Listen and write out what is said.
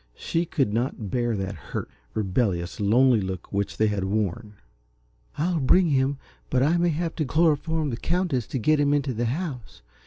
She could not bear that hurt, rebellious, lonely look which they had worn. "I'll bring him but I may have to chloroform the Countess to get him into the house.